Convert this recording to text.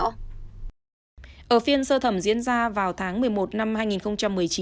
ở phiên sơ thẩm diễn ra vào tháng một mươi một năm hai nghìn một mươi chín